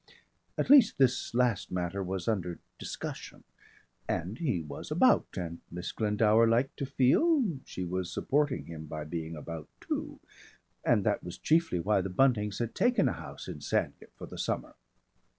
At least this last matter was under discussion and he was about, and Miss Glendower liked to feel she was supporting him by being about too, and that was chiefly why the Buntings had taken a house in Sandgate for the summer.